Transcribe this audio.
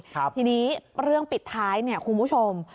ทีนี้เรื่องปิดท้ายเนี่ยคุณผู้ชม